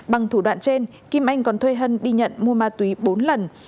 bằng thủ đoạn trên kim anh còn thuê hân đi nhận mua ma túy bốn lần